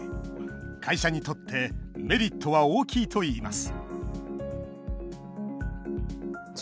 会社にとってメリットは大きいといいます